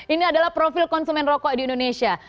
ini adalah profil konsumen rokok di indonesia